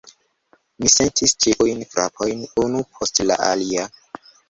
Mi sentis ĉiujn frapojn, unu post la alia.